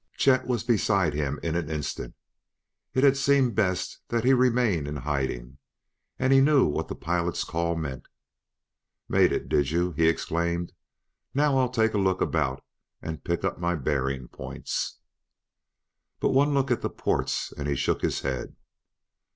Chet was beside him in an instant. It had seemed best that he remain in hiding, and he knew what the pilot's call meant. "Made it, did you!" he exclaimed. "Now I'll take a look about and pick up my bearing points." But one look at the ports and he shook his head.